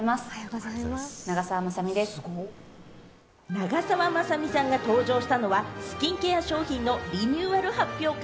長澤まさみさんが登場したのは、スキンケア商品のリニューアル発表会。